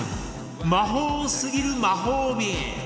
魔法すぎる魔法瓶